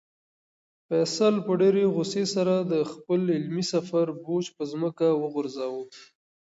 فیصل په ډېرې غوسې سره د خپل علمي سفر بوج په ځمکه وغورځاوه.